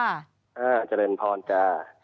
อ่าเจริญพรจ้า